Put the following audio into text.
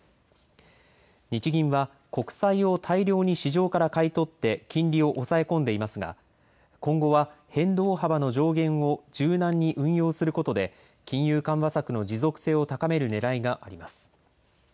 日銀は国債を大量に市場から買い取って、金利を抑え込んでいますが、今後は変動幅の上限を柔軟に運用することで、金融緩和策の持続性を高めるねらいがあります。